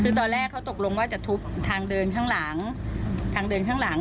คือตอนแรกเขาตกลงว่าจะทุบทางเดินข้างหลังทางเดินข้างหลัง